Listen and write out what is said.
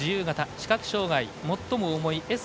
視覚障がい最も重いＳ